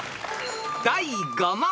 ［第５問］